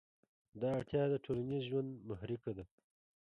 دا اړتیا د ټولنیز ژوند محرکه ده.